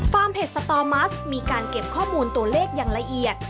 เผ็ดสตอมัสมีการเก็บข้อมูลตัวเลขอย่างละเอียด